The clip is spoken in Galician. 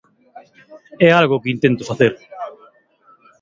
É algo que intento facer.